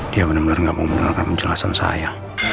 dia bener bener gak mau mendengarkan penjelasan saya